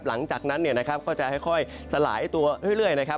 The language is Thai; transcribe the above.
หลังจากนั้นก็จะค่อยสลายตัวเรื่อยนะครับ